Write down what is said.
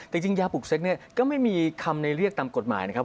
แต่จริงยาปลูกเซ็กเนี่ยก็ไม่มีคำในเรียกตามกฎหมายนะครับ